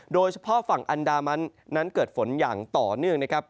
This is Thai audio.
โดยเฉพาะฝั่งอันดามันนั้นเกิดฝนอย่างต่อเนื่องนะครับ